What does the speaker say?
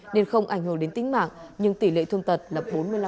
nên không ảnh hưởng đến tính mạng nhưng tỷ lệ thương tật là bốn mươi năm